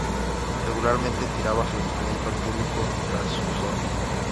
Regularmente tiraba su instrumento al público tras su solo.